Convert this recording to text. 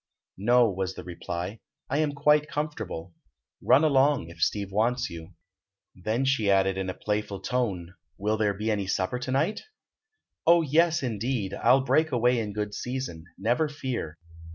"No," was the reply; "I am quite comfortable. Run along, if Steve wants you." Then she added, in a playful tone: "Will there be any supper to night?" "Oh, yes, indeed! I'll break away in good season, never fear.